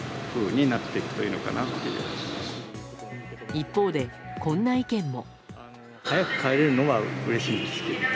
一方でこんな意見も。